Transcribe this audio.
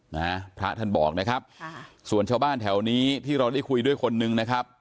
นะฮะพระท่านบอกนะครับค่ะส่วนชาวบ้านแถวนี้ที่เราได้คุยด้วยคนนึงนะครับ